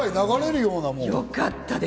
よかったです。